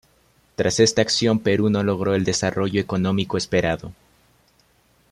Tras esta acción Perú no logró el desarrollo económico esperado.